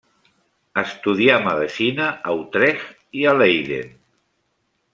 Estudià medicina a Utrecht i a Leiden.